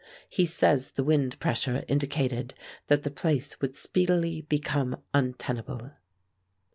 He says the wind pressure indicated that the place would speedily become untenable."